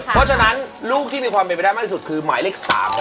เพราะฉะนั้นลูกที่มีความเป็นไปได้มากที่สุดคือหมายเลข๓